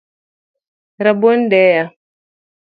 Rabuon deya